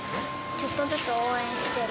ちょっとずつ応援してる。